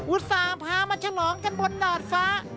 ต่าพามาฉลองกันบนดาดฟ้า